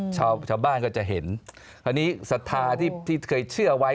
ชาวบ้านก็จะเห็นอันนี้ศรัทธาที่เคยเชื่อไว้